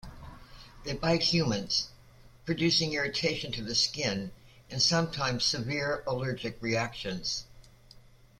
They bite humans, producing irritation to the skin and sometimes severe allergic reactions.